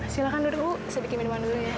silahkan duduk u saya bikin minuman dulu ya